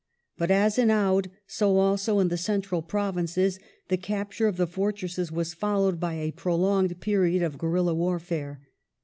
But as in Oudh so also in the Central Provinces the capture of the fortresses was followed by a prolonged period of guerilla warfare.